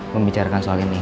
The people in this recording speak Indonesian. membicarakan soal ini